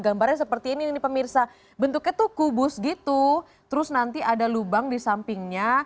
gambarnya seperti ini nih pemirsa bentuknya tuh kubus gitu terus nanti ada lubang di sampingnya